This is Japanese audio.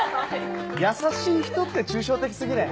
「優しい人」って抽象的過ぎねえ？